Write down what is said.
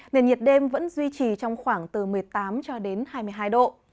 nền nhiệt đêm vẫn duy trì trong khoảng từ một mươi tám cho đến hai mươi hai độ